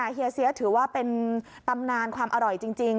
เฮียเสียถือว่าเป็นตำนานความอร่อยจริง